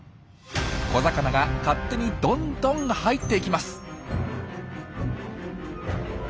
小魚が勝手にどんどん入っていきます。